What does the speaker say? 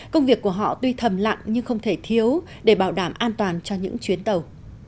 công việc của họ tuy thầm lặng nhưng không thể thiếu để bảo đảm an toàn cho những chuyến tàu